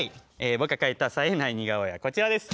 僕が描いたさえない似顔絵はこちらです。